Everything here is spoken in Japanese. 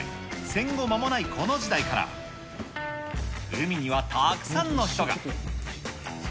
戦後間もないこの時代から、海にはたくさんの人が。